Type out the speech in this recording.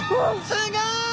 すギョい！